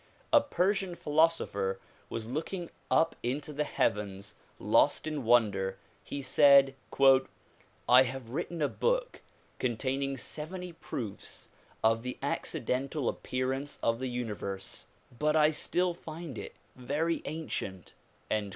A Persian philosopher was looking up into the heavens, lost in wonder. He said "I have written a book containing seventy proofs of the acci dental appearance of the universe, but I still find it very ancient."